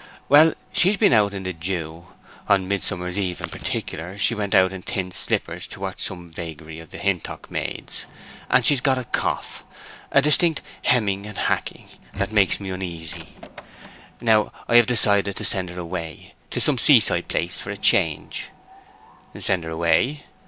Well, she's been out in the dew—on Midsummer Eve in particular she went out in thin slippers to watch some vagary of the Hintock maids—and she's got a cough, a distinct hemming and hacking, that makes me uneasy. Now, I have decided to send her away to some seaside place for a change—" "Send her away!"